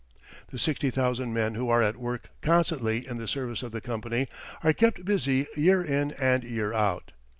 The 60,000 men who are at work constantly in the service of the company are kept busy year in and year out.